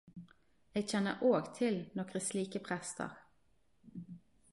Eg kjenner òg til nokre slike prestar.